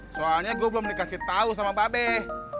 soalnya gue belum dikasih tau sama babes